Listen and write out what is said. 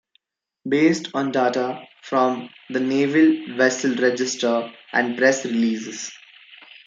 Based on data from the Naval Vessel Register and press releases.